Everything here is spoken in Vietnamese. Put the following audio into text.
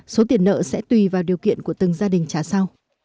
số tiền nợ sẽ tùy vào điều kiện của từng gia đình trả sau